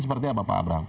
seperti apa pak abraham